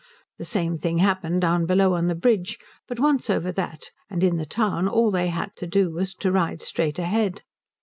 The same thing happened down below on the bridge; but once over that and in the town all they had to do was to ride straight ahead.